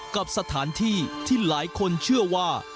กับสถานที่ที่หลายคนเชื่อว่า